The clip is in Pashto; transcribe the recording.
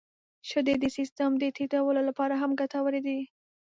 • شیدې د سیستم د ټيټولو لپاره هم ګټورې دي.